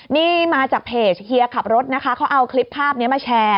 นี่มาจากเพจเฮียขับรถนะคะเขาเอาคลิปภาพนี้มาแชร์